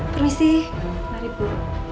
permisi mari bu